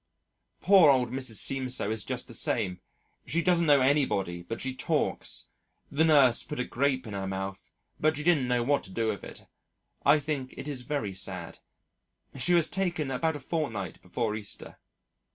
"Poor old Mrs. Seemsoe is just the same, she doesn't know anybody but she talks, the nurse put a grape in her mouth but she didn't know what to do with it, I think it is very sad. She was taken about a fortnight before Easter.